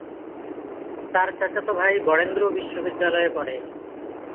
তার চাচাতো ভাই বরেন্দ্র বিশ্ববিদ্যালয়ে পড়ে।